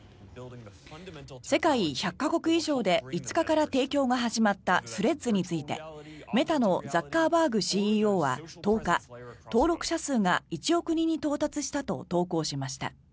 世界１００か国以上で５日から提供が始まったスレッズについてメタのザッカーバーグＣＥＯは１０日登録者数が１億人に到達したと投稿しました。